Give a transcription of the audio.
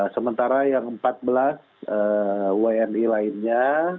sementara yang empat belas wni lainnya